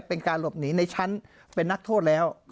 เป็นการหลบหนีในชั้นเป็นนักโทษแล้ว